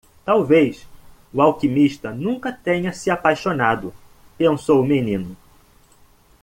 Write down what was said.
Talvez o alquimista nunca tenha se apaixonado, pensou o menino.